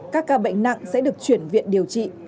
các ca bệnh nặng sẽ được chuyển viện điều trị